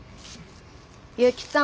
結城さん。